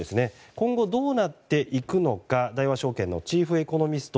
今後、どうなっていくのか大和証券のチーフエコノミスト